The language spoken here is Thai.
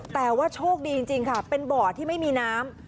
แต่ว่าโชคดีจริงค่ะเป็นบ่อที่ไม่มีน้ำ